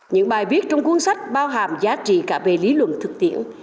những bài viết trong cuốn sách bao hàm giá trị cả về lý luận thực tiễn